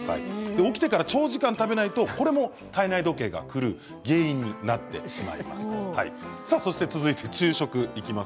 起きてから長時間食べないとこれも体内時計が狂う原因となってしまいます。